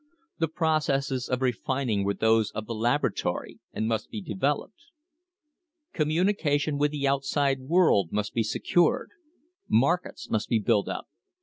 The processes of refining were those of the laboratory and must be developed. Communication with the outside world must be secured. Markets must be built up.